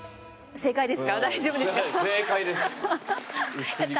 正解です。